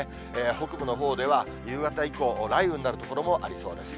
北部のほうでは夕方以降、雷雨になる所もありそうです。